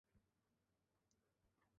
花烟草为茄科烟草属下的一个种。